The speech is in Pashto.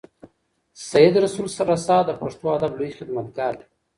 سید رسول رسا د پښتو ادب لوی خدمتګار دی.